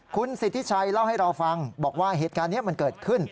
คุณสิทธิชัยเล่าให้เราฟังบอกว่าเหตุการณ์นี้มันเกิดขึ้น